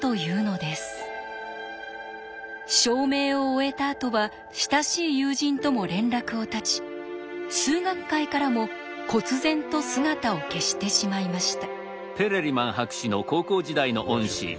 証明を終えたあとは親しい友人とも連絡を断ち数学界からもこつ然と姿を消してしまいました。